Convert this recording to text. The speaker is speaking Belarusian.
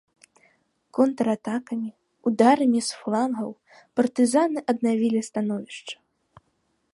Контратакамі, ударамі з флангаў партызаны аднавілі становішча.